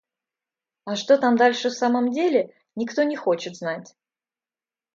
А что там дальше в самом деле, никто не хочет знать.